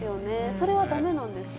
それはだめなんですか？